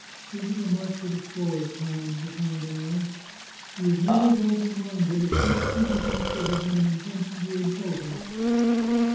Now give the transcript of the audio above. We have remarked it a score of times, the count and I. He is never vulgar minded, ex cept when he thinks there has been an intention to insult him.